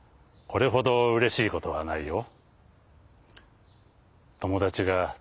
これほど楽しいことはないよ。